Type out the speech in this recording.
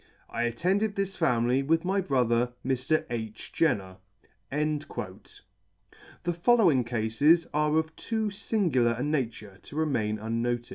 " I attended this family with my brother, Mr. H. Jenner." The following cafes are of too fingular a nature to remain unnoticed.